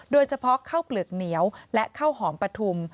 โดยเฉพาะข้าวเปลือกเหนียวและข้าวหอมปฐุม